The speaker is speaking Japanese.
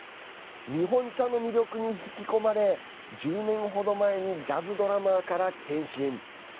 日本茶の魅力に引き込まれ１０年ほど前にジャズドラマーから転身。